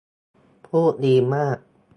พูดดีมาก